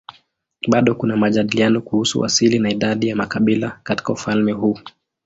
Bado kuna majadiliano kuhusu asili na idadi ya makabila katika ufalme huu.